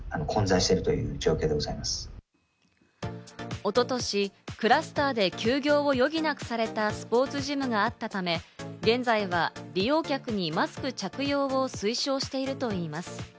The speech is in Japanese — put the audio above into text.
一昨年、クラスターで休業を余儀なくされたスポーツジムがあったため、現在は利用客にマスク着用を推奨しているといいます。